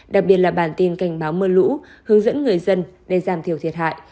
đặc biệt là bản tin cảnh báo mưa lũ hướng dẫn người dân để giảm thiểu thiệt hại